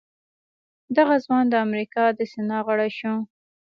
دغه ځوان د امريکا د سنا غړی شو.